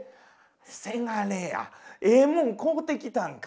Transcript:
「せがれやええもん買うてきたんか」。